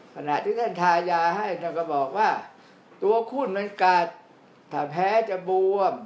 ขณะที่ท่านทายาให้ท่านก็บอกว่าตัวหุ้นมันกัดถ้าแพ้จะบวม